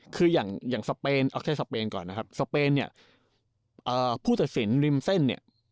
คืออย่างสเปนพูดสัดเสนริมเส้นเนี่ย